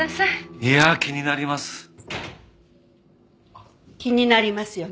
いや気になります。